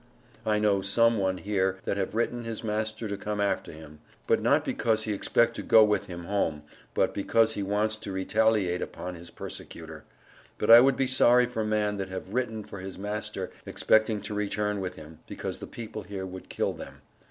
I know some one here that have written his master to come after him, but not because he expect to go with him home but because he wants to retaleate upon his persecutor, but I would be sorry for man that have written for his master expecting to return with him because the people here would kill them.